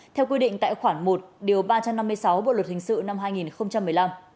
theo quy định tại khoản một điều ba trăm năm mươi sáu bộ luật hình sự năm hai nghìn một mươi năm